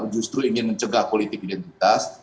justru ingin mencegah politik identitas